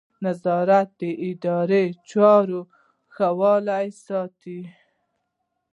نظارت د اداري چارو ښه والی ساتي.